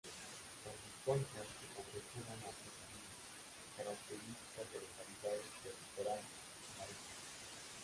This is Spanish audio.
Con sus conchas se confeccionan artesanías, características de localidades del litoral marítimo.